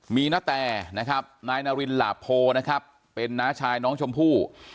มีนาแตนะครับนายนารินหลาโพนะครับเป็นน้าชายน้องชมพู่